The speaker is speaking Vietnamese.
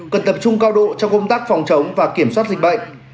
cần tập trung cao độ trong công tác phòng chống và kiểm soát dịch bệnh